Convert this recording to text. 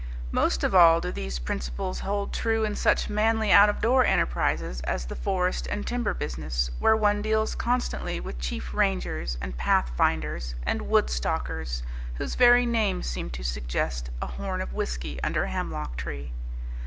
Most of all do these principles hold true in such manly out of door enterprises as the forest and timber business, where one deals constantly with chief rangers, and pathfinders, and wood stalkers, whose very names seem to suggest a horn of whiskey under a hemlock tree.